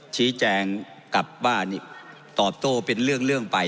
ชี้แจงกลับบ้านนี่ตอบโต้เป็นเรื่องไป